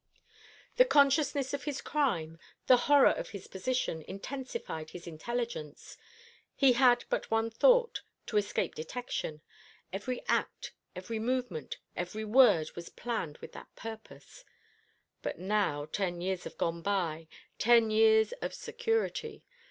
The consciousness of his crime, the horror of his position, intensified his intelligence. He had but one thought to escape detection. Every act, every movement, every word was planned with that purpose. But now ten years have gone by ten years of security.